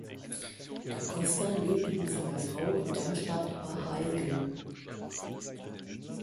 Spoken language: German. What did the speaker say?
Da Costa lebt mit seiner Frau in Darmstadt-Arheilgen.